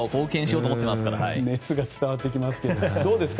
熱が伝わってきますけどどうですか？